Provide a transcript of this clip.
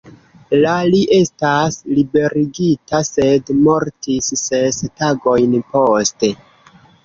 La li estis liberigita, sed mortis ses tagojn poste.